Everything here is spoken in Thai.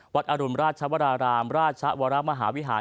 อรุณราชวรารามราชวรมหาวิหาร